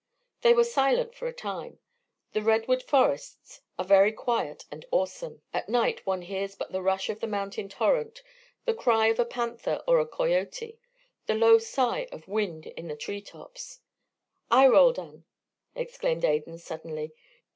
They were silent for a time. The redwood forests are very quiet and awesome. At night one hears but the rush of the mountain torrent, the cry of a panther or a coyote, the low sigh of wind in the treetops. "Ay, Roldan," exclaimed Adan, suddenly.